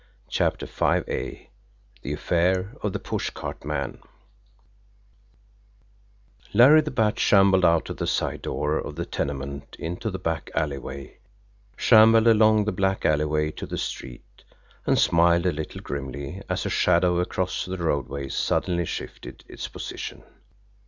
CHAPTER V THE AFFAIR OF THE PUSHCART MAN Larry the Bat shambled out of the side door of the tenement into the back alleyway; shambled along the black alleyway to the street and smiled a little grimly as a shadow across the roadway suddenly shifted its position.